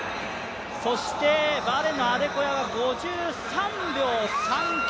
バーレーンのアデコヤが５３秒３９。